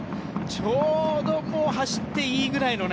ちょうど、走っていいくらいのね。